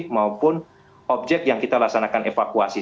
maupun objek yang kita laksanakan evakuasi